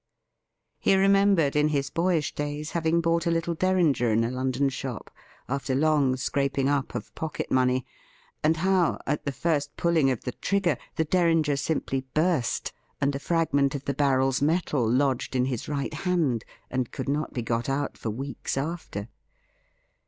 He remembered in his boyish days having bought a little Derringer in a London shop after long scraping up of pocket money, and how, at the very first pulling of the trigger, the Derringer simply burst, and a fragment of the barrel's metal lodged in his right hand, and could not be got out for weeks after.